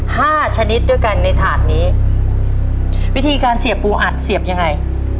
ชนิดด้วยกันในถาดนี้วิธีการเสียบปูอัดเสียบยังไง